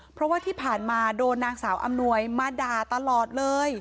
เพราะว่าที่ผ่านมาโดนนางสาวอำนวยมาด่าตลอดเลย